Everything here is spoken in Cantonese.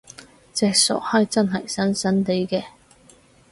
隻傻閪真係神神地嘅！